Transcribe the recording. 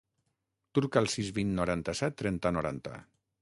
Truca al sis, vint, noranta-set, trenta, noranta.